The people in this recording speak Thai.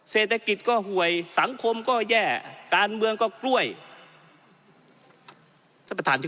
เศรษฐกิจก็หวยสังคมก็แย่การเมืองก็กล้วยท่านประธานที่